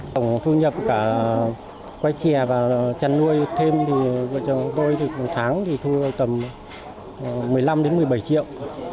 tổng thu nhập cả qua chè và chăn nuôi thêm thì vợ chồng tôi được một tháng thì thu tầm một mươi năm đến một mươi bảy triệu